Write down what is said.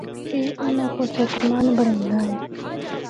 اے اُنّاں کو صحت مند بنڑیندا اے۔